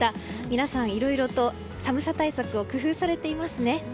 皆さん、いろいろと寒さ対策を工夫されていますね。